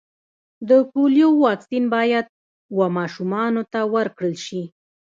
د پولیو واکسین باید و ماشومانو ته ورکړل سي.